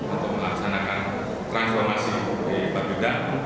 untuk melaksanakan transformasi di empat bidang